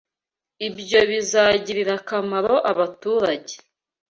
Ibyo bizagirira akamaro abaturage.